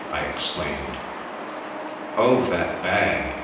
I exclaimed. Oh, that bag!